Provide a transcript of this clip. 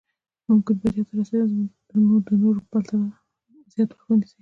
ممکن بريا ته رسېدل مو د نورو په پرتله زیات وخت ونيسي.